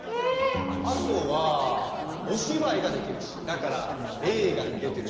あとはおしばいができるしだからえいがにでてるし。